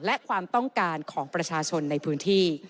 และความต้องการของประชาชนในพื้นที่